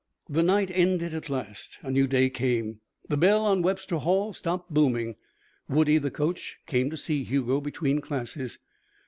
The night ended at last. A new day came. The bell on Webster Hall stopped booming. Woodie, the coach, came to see Hugo between classes.